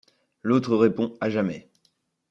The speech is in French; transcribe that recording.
L’autre répond: À jamais.